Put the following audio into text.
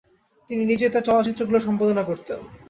তিনি নিজেই তার চলচ্চিত্রগুলো সম্পাদনা করতেন।